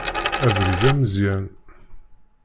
Abrid ameẓyan.